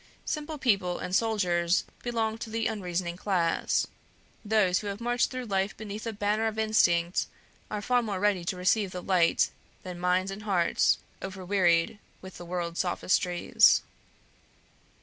Simple people and soldiers belong to the unreasoning class. Those who have marched through life beneath the banner of instinct are far more ready to receive the light than minds and hearts overwearied with the world's sophistries.